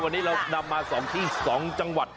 วันนี้เรานำมา๒ที่๒จังหวัด